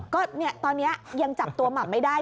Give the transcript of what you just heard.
ก็ตอนนี้ยังจับตัวหม่ำไม่ได้